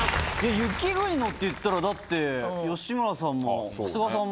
「雪国の」っていったらだって吉村さんも長谷川さんも。